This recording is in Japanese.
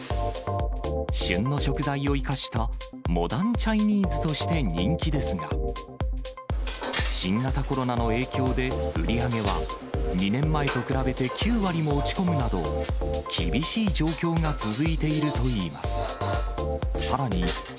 旬の食材を生かした、モダンチャイニーズとして人気ですが、新型コロナの影響で、売り上げは２年前と比べて９割も落ち込むなど、厳しい状況が続いているといいます。